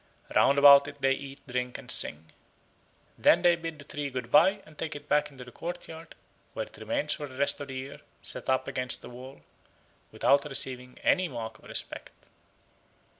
Round about it they eat, drink, and sing. Then they bid the tree good bye and take it back to the courtyard, where it remains for the rest of the year, set up against the wall, without receiving any mark of respect.